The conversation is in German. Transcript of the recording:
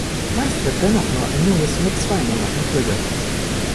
Meist wird dennoch nur ein Junges mit zwei Monaten flügge.